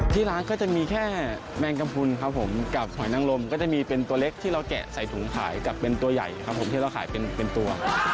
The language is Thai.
ที่ร้านก็จะมีแค่แมงกำพุนครับผมกับหอยนังลมก็จะมีเป็นตัวเล็กที่เราแกะใส่ถุงขายกับเป็นตัวใหญ่ครับผมที่เราขายเป็นตัว